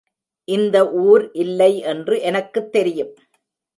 இந்த ஊர் இல்லை என்று எனக்குத் தெரியும்.